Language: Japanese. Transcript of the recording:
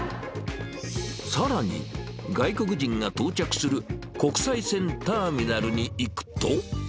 さらに、外国人が到着する国際線ターミナルに行くと。